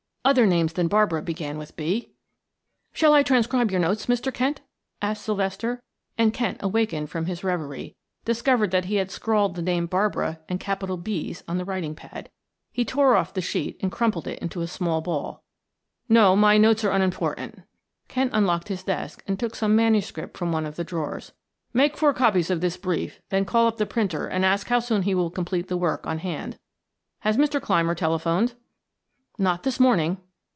other names than Barbara began with "B." "Shall I transcribe your notes, Mr. Kent?" asked Sylvester, and Kent awakened from his reverie, discovered that he had scrawled the name Barbara and capital "Bs" on the writing pad. He tore off the sheet and crumpled it into a small ball. "No, my notes are unimportant." Kent unlocked his desk and took some manuscript from one of the drawers. "Make four copies of this brief, then call up the printer and ask how soon he will complete the work on hand. Has Mr. Clymer telephoned?" "Not this morning."